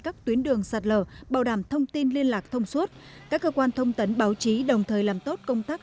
các tuyến đường sạt lở bảo đảm thông tin liên lạc thông suốt các cơ quan thông tấn báo chí đồng thời làm tốt công tác